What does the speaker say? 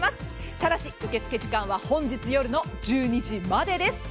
ただし受け付け時間は本日の１２時までです。